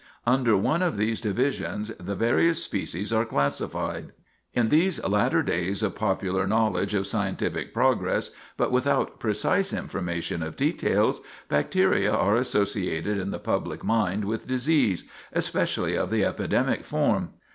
Under one of these divisions the various species are classified. In these latter days of popular knowledge of scientific progress, but without precise information of details, bacteria are associated in the public mind with disease, especially of the epidemic form.